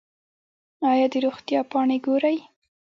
ایا د روغتیا پاڼې ګورئ؟